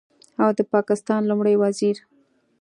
او د پاکستان لومړي وزیر